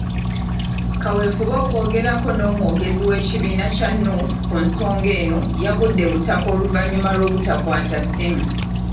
Kaweefube okwogerako n'Omwogezi w'ekibiina kya Nuupu, ku nsonga eno, yagudde butaka oluvannyuma lw'obutakwata ssimu.